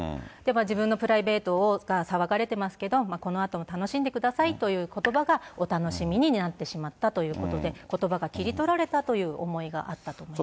自分のプライベートが騒がれてますけど、このあとも楽しんでくださいということばが、お楽しみにになってしまったということで、ことばが切り取られたという思いがあったと思います。